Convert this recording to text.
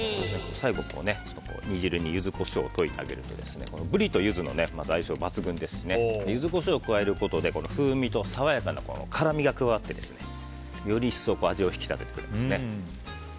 最後、煮汁にユズコショウを溶いてあげるとブリとユズの相性が抜群ですしユズコショウを加えることで風味と爽やかな辛みが加わってより一層味を引き立ててくれます。